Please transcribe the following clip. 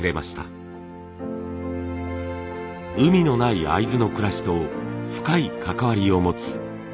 海のない会津の暮らしと深い関わりを持つニシン鉢。